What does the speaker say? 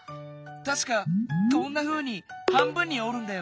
たしかこんなふうに半分におるんだよね。